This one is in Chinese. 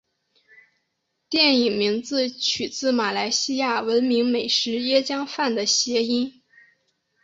电影名字取自马来西亚闻名美食椰浆饭的谐音。